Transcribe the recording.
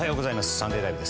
「サンデーＬＩＶＥ！！」